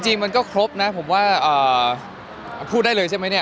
จริงมันก็ครบนะผมว่าพูดได้เลยใช่ไหมเนี่ย